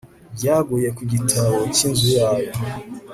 byaguye ku gitabo cy'inzu yayo